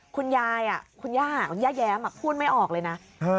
คุณยายคุณย่าคุณย่าแย้มพูดไม่ออกเลยนะ